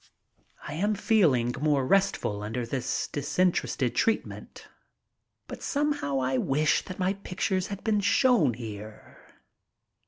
I am feeling more restful under this disinterested treat ment, but somehow I wish that my pictures had been shown here.